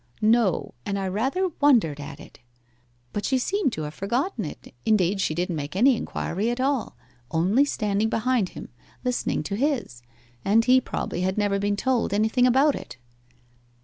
'No and I rather wondered at it. But she seemed to have forgotten it indeed, she didn't make any inquiry at all, only standing behind him, listening to his; and he probably had never been told anything about it.